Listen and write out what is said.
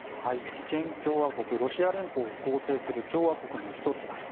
チェチェン共和国ロシア連邦を構成する共和国の１つです。